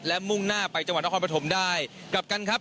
และมุ่งหน้าไปจังหวัดนครปฐมได้กลับกันครับ